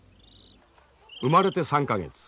生まれて３か月。